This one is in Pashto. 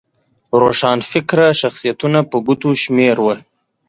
روښانفکره شخصیتونه په ګوتو شمېر وو.